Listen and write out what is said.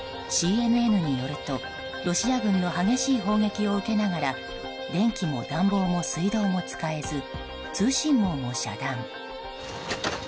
ＣＮＮによると、ロシア軍の激しい砲撃を受けながら電気も暖房も水道も使えず通信網も遮断。